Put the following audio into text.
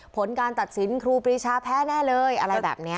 ผลการตัดสินครูปรีชาแพ้แน่เลยอะไรแบบนี้